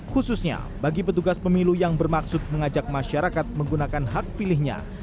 khususnya bagi petugas pemilu yang bermaksud mengajak masyarakat menggunakan hak pilihnya